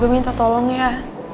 gue minta tolong ya